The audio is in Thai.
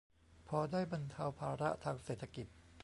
พอได้บรรเทาภาระทางเศรษฐกิจ